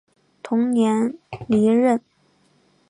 同年离任。